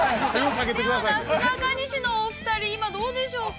◆ではなすなかにしのお二人今はどうでしょうか。